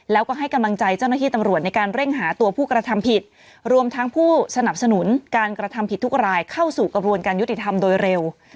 แล้วก็ให้กำลังใจเจ้าหน้าที่ตำรวจในการเร่งหาตัวผู้กระทำผิดรวมทั้งผู้สนับสนุนการกระทำผิดทุกรายเข้าสู่กระบวนการยุติธรรมโดยเร็ว